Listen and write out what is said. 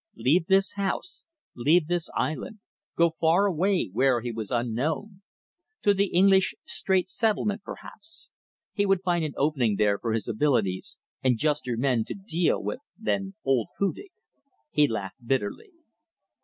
Leave this house, leave this island, go far away where he was unknown. To the English Strait Settlements perhaps. He would find an opening there for his abilities and juster men to deal with than old Hudig. He laughed bitterly.